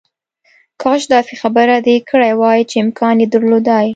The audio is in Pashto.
کاش داسې خبره دې کړې وای چې امکان یې درلودای